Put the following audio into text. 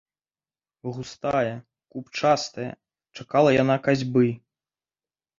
Густая, купчастая, чакала яна касьбы.